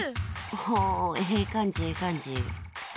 おお、ええ感じ、ええ感じ。